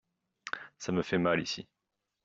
Ça me fait mal ici.